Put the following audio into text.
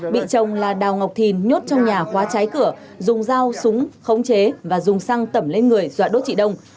bị chồng là đào ngọc thìn nhốt trong nhà khóa trái cửa dùng dao súng khống chế và dùng xăng tẩm lên người dọa đốt chị đông